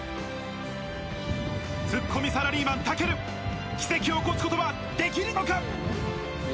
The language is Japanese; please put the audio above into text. ツッコミサラリーマンたける奇跡を起こすことはできるのか？